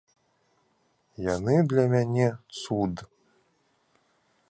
Яны для мне цуд.